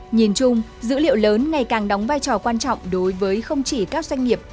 nhìn chung dữ liệu lớn ngày càng đóng vai trò quan trọng đối với không chỉ các doanh nghiệp